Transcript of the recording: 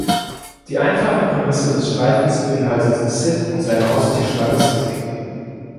Die einfache Prämisse des Streifens beinhaltete Sid und seine Haustier-Schlange Slippy.